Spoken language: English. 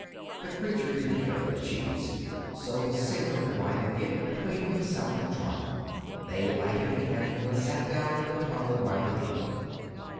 The creature didn't care for the cheese, so the sailor divided it between himself and Trot. They lighted a candle and sat down in the tunnel while they ate.